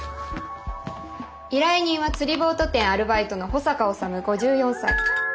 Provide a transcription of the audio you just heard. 依頼人は釣りボート店アルバイトの保坂修５４歳。